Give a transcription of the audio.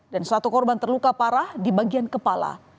dan satu korban terluka parah di bagian kepala